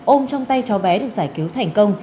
ôm trong tay cháu bé được giải cứu thành công